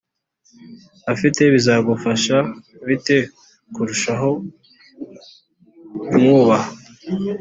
Afite bizagufasha bite kurushaho kumwubaha